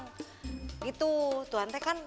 gitu tuhan teh kan